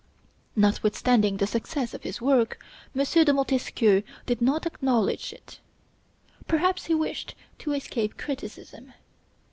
Notwithstanding the success of his work, M. de Montesquieu did not acknowledge it. Perhaps he wished to escape criticism.